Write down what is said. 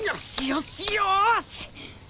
よし！